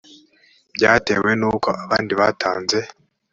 byatewe n uko abandi batanze